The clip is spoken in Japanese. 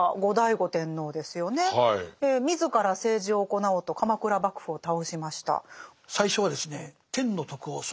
自ら政治を行おうと鎌倉幕府を倒しました。